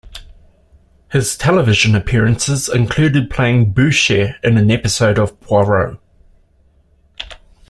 His television appearances included playing Boucher in an episode of Poirot.